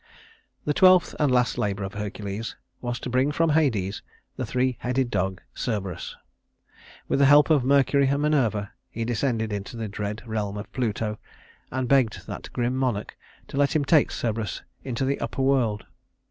The twelfth and last labor of Hercules was to bring from Hades the three headed dog, Cerberus. With the help of Mercury and Minerva, he descended into the dread realm of Pluto, and begged that grim monarch to let him take Cerberus into the upper world.